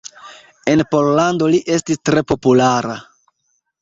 En Pollando li estis tre populara.